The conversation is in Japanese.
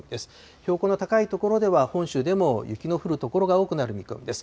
標高の高い所では、本州でも雪の降る所が多くなる見込みです。